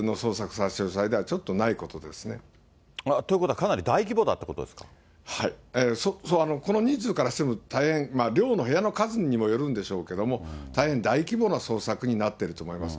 差し押さえではちょっとないということはかなり大規模だはい、この人数からしても大変、寮の部屋の数にもよるんでしょうけれども、大変大規模な捜索になっていると思います。